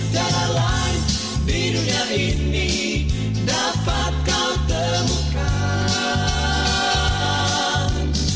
tiada lain di dunia ini dapat kau temukan